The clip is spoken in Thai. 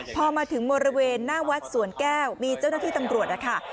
พอมาถึงบริเวณหน้าวัดสวนแก้วมีเจ้าหน้าที่ตำรวจนะคะ